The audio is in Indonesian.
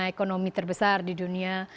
ekonomi terbesar di dunia